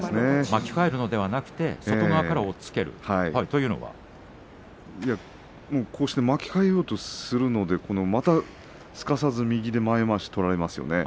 巻き替えるのではなくて外側から押っつける巻き替えようとするのですかさず右で前まわしを取られますよね。